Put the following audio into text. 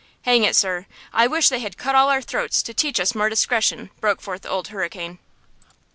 "Hang it, sir, I wish they had cut all our throats to teach us more discretion!" broke forth Old Hurricane.